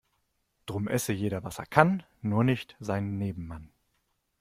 Drum esse jeder was er kann, nur nicht seinen Nebenmann.